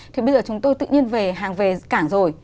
thì bây giờ chúng tôi tự nhiên về hàng về cảng rồi